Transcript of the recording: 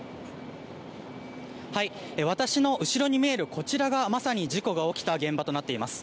私の後ろに見えるこちらがまさに事故が起きた現場となっています。